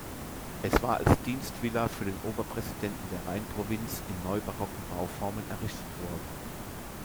Es war als Dienstvilla für den Oberpräsidenten der Rheinprovinz in neubarocken Bauformen errichtet worden.